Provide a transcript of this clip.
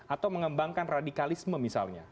atau mengembangkan radikalisme misalnya